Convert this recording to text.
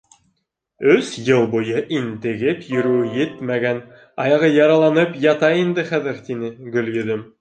— Өс йыл буйы интегеп йөрөүе етмәгән, аяғы яраланып ята инде хәҙер, — тине Гөлйөҙөм.